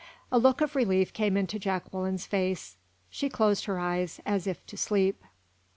A look of relief came into Jacqueline's face. She closed her eyes as if to sleep.